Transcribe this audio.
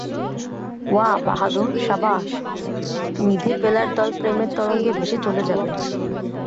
ওয়া বাহাদুর! সাবাস! নিধে পেলার দল প্রেমের তরঙ্গে ভেসে চলে যাবে।